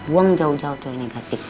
buang jauh jauh tuh yang negatif